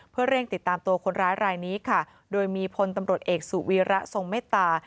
เพื่อเร่งติดตามตัวคนร้ายรายนี้ค่ะโดยมีพลตำรวจเอกสุวีระทรงเมตตา